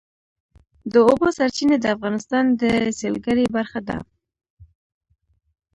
د اوبو سرچینې د افغانستان د سیلګرۍ برخه ده.